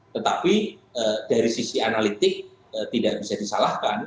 tetapi dari sisi analitik tidak bisa disalahkan